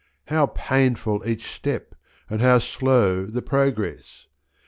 How painful each step and how slow the progress!